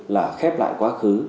là khép lại quá khứ